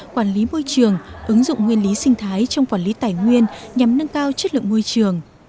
quản lý môi trường ứng dụng nguyên lý sinh thái trong quản lý tài nguyên nhằm nâng cao chất lượng môi trường